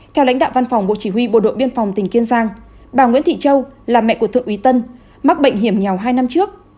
theo lãnh đạo văn phòng bộ chỉ huy bộ đội biên phòng tỉnh kiên giang bà nguyễn thị châu là mẹ của thượng úy tân mắc bệnh hiểm nghèo hai năm trước